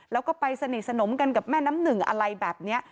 แล้วก็ไปสนิทสนมกันกับแม่น้ำหนึ่งอะไรแบบนี้